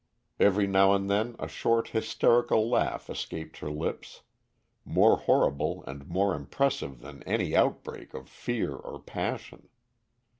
Every now and then a short hysterical laugh escaped her lips, more horrible and more impressive than any outbreak of fear or passion.